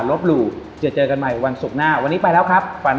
หลู่จะเจอกันใหม่วันศุกร์หน้าวันนี้ไปแล้วครับฝัน